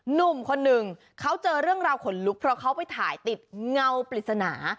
หนุ่มคนหนึ่งเขาเจอเรื่องราวขนลุกเพราะเขาไปถ่ายติดเงาปริศนา